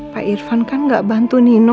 pak irfan kan gak bantu nino